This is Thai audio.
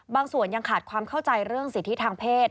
บางส่วนยังขาดความเข้าใจเรื่องสิทธิทางเพศ